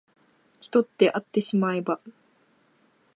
人ってあってしまえば